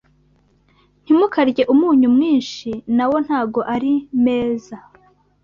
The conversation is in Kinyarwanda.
Ntimukarye umunyu mwinshi nawo ntago ari meza